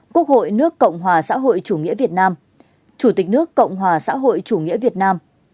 quốc hội nước cộng hòa xã hội chủ nghĩa việt nam chủ tịch nước cộng hòa xã hội chủ nghĩa việt nam